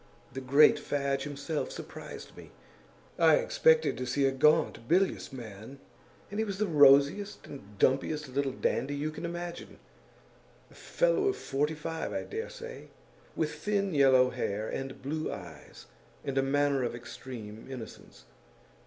The great Fadge himself surprised me; I expected to see a gaunt, bilious man, and he was the rosiest and dumpiest little dandy you can imagine; a fellow of forty five, I dare say, with thin yellow hair and blue eyes and a manner of extreme innocence.